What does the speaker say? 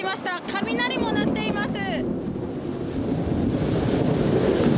雷も鳴っています。